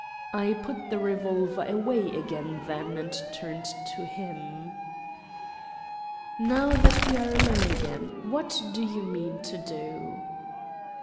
I put the revolver away again then and turned to him. "Now that we are alone again, what do you mean to do?"